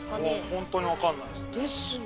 ホントに分かんないですね。